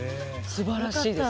すばらしいです。